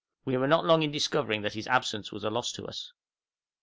We were not long in discovering that his absence was a loss to us.